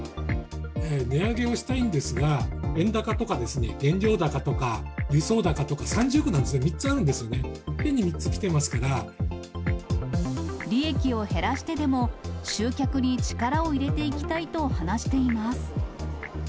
値上げをしたいんですが、円高とかですね、原料高とか、輸送高とか三重苦なんですね、３つあるんですよね、利益を減らしてでも、集客に力を入れていきたいと話しています。